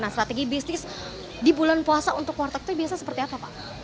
nah strategi bisnis di bulan puasa untuk warteg itu biasa seperti apa pak